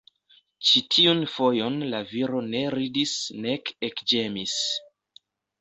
Ĉi tiun fojon la viro ne ridis nek ekĝemis.